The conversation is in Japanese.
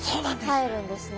かえるんですね。